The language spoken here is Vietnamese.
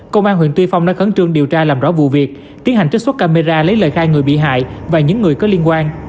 công an huyện tuy phong đã khẩn trương điều tra làm rõ vụ việc tiến hành trích xuất camera lấy lời khai người bị hại và những người có liên quan